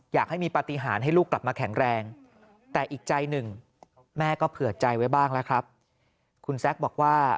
อยากให้มีปฏิหารให้ลูกกลับมาแข็งแรงแต่อีกใจหนึ่งแม่ก็เผื่อใจไว้บ้างแล้วครับคุณแซคบอกว่า